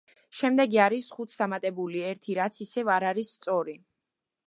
შემდეგი არის ხუთს დამატებული ერთი რაც ისევ არ არის სწორი.